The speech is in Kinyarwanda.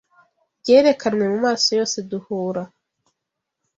Byerekanwe mumaso yose duhura